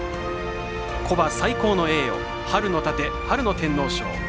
古馬最高の栄誉、春の盾春の天皇賞。